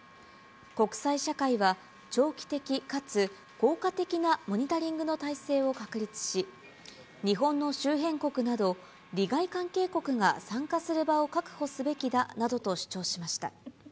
国際社会は長期的かつ効果的なモニタリングの体制を確立し、日本の周辺国など、利害関係国が参加する場を確保すべきだなどと主張しました。